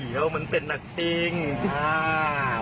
นี่ไว้ไอ้แดงไอ้แดงยังไง